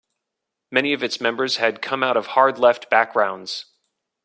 Many of its members had come out of hard left backgrounds.